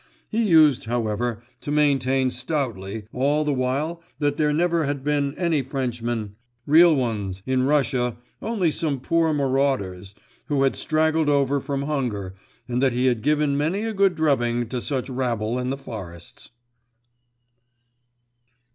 He used, however, to maintain stoutly all the while that there never had been any Frenchmen, real ones, in Russia, only some poor marauders, who had straggled over from hunger, and that he had given many a good drubbing to such rabble in the forests.